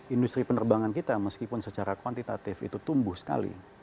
industri penerbangan kita meskipun secara kuantitatif itu tumbuh sekali